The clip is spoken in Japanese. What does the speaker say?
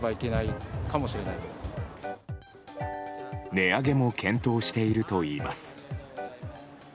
値上げも検討しているといいます。